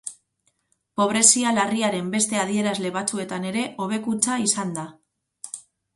Pobrezia larriaren beste adierazle batzuetan ere hobekuntza izan da.